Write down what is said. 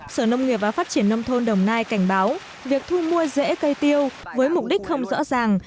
sở nông nghiệp và phát triển nông thôn đồng nai cảnh báo việc thu mua rễ cây tiêu với mục đích không rõ ràng